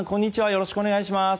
よろしくお願いします。